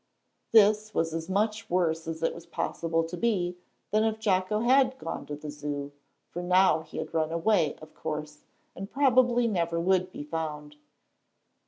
This was as much worse as it was possible to be, than if Jocko had gone to the Zoo, for now he had run away, of course, and probably never would be found.